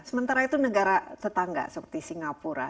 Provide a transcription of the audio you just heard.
sementara itu negara tetangga seperti singapura